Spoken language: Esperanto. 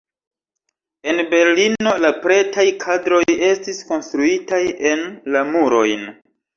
En Berlino la pretaj kadroj estis konstruitaj en la murojn.